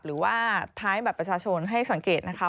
หรือว่าท้ายบัตรประชาชนให้สังเกตนะคะ